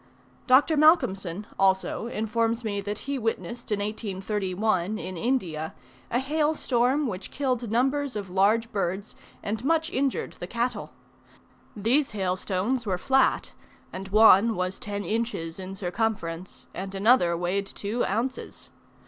Dr. Malcolmson, also, informs me that he witnessed in 1831 in India, a hail storm, which killed numbers of large birds and much injured the cattle. These hailstones were flat, and one was ten inches in circumference, and another weighed two ounces.